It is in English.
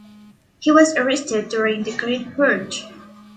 He was arrested during the Great Purge.